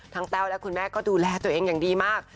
แต้วและคุณแม่ก็ดูแลตัวเองอย่างดีมาก